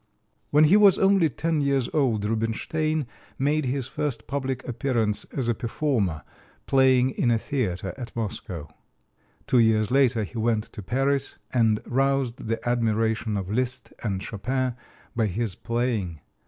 When he was only ten years old Rubinstein made his first public appearance as a performer, playing in a theater at Moscow. Two years later he went to Paris, and roused the admiration of Liszt and Chopin by his playing.